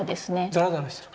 ザラザラしてる。